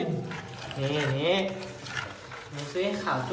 ดูซิขาวด้วย